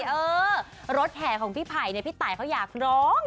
เออรถแห่ของพี่ไผ่เนี่ยพี่ตายเขาอยากร้อง